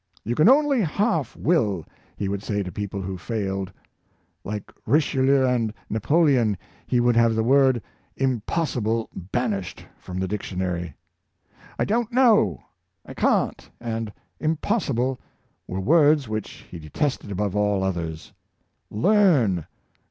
" You can only half will," he would say to people who failed. Like Riche lieu and Napoleon, he would have the word " impossi ble " banished from the dictionary. " I don't know," " I can't," and " impossible," were words which he de tested above all others. " Learn!